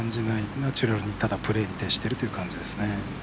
ナチュラルにプレーに徹している感じですね。